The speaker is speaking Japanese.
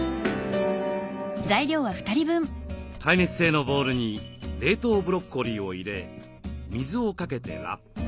耐熱性のボウルに冷凍ブロッコリーを入れ水をかけてラップ。